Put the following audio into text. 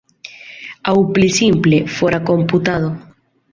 Aŭ pli simple, fora komputado.